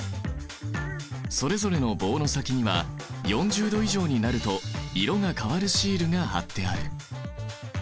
それぞれの棒の先には４０℃以上になると色が変わるシールが貼ってある。